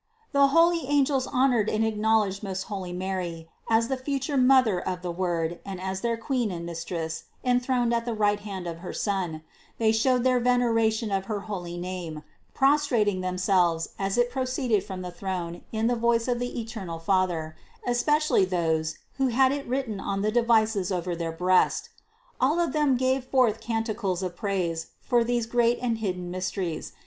The holy angels hon ored and acknowledged most holy Mary as the future Mother of the Word and as their Queen and Mistress en throned at the right hand of her Son ; they showed their veneration of her holy name, prostrating themselves as it proceeded from the throne in the voice of the eternal Father, especially those, who had it written on the devises over their breast. All of them gave forth canticles of praise for these great and hidden mysteries.